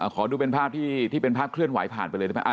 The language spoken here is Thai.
ขอดูเป็นภาพที่เป็นภาพเคลื่อนหวายผ่านไปเลย